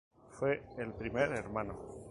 Fue el primer Hno.